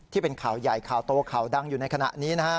ที่เป็นข่าวใหญ่ข่าวโตข่าวดังอยู่ในขณะนี้นะฮะ